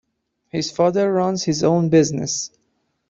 His father runs his own business.